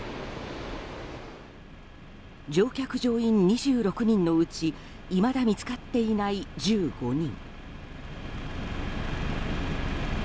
乗客・乗員２６人のうちいまだ見つかっていない１５人。